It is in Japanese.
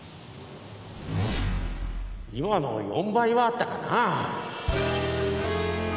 今の４倍はあったかなぁ。